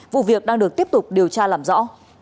vụ việc đang được tiếp tục điều tra làm rõ